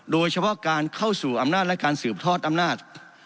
โดยเฉพาะการเข้าสู่อำนาจและการสืบทอดอำนาจ